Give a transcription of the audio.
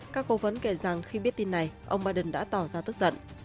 các cố vấn kể rằng khi biết tin này ông biden đã tỏ ra tức giận